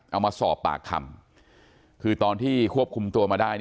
เอามาสอบปากคำคือตอนที่ควบคุมตัวมาได้